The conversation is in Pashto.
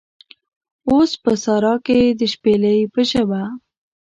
اوس په سارا کې د شپیلۍ په ژبه